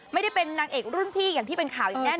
ไม่ได้เป็นนางเอกรุ่นพี่อย่างที่เป็นข่าวอย่างแน่นอ